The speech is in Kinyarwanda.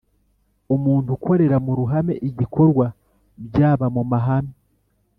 Umuntu ukorera mu ruhame igikorwa byaba mumahame